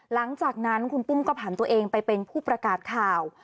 หลังจากนั้นคุณปุ้มก็ผ่านตัวเองไปเป็นผู้ประกาศข่าว